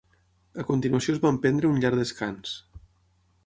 A continuació es van prendre un llarg descans.